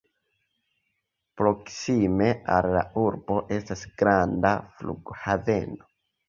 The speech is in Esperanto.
Proksime al la urbo estas granda flughaveno.